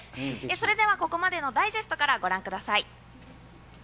それではここまでのダイジェストからご覧ください。